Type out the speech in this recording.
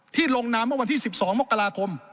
ลงนามเมื่อวันที่๑๒มกราคม